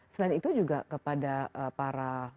selain itu juga kepada para